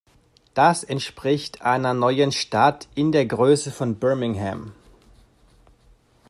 Das entspricht einer neuen Stadt in der Größe von Birmingham.